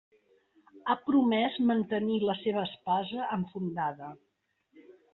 Ha promès mantenir la seva espasa enfundada.